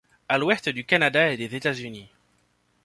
À l'ouest du Canada et des États-Unis.